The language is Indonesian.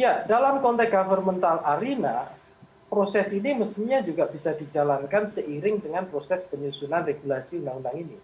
ya dalam konteks governmental arena proses ini mestinya juga bisa dijalankan seiring dengan proses penyusunan regulasi undang undang ini